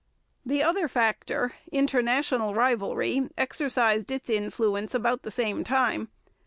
The other factor, international rivalry, exercised its influence about the same time.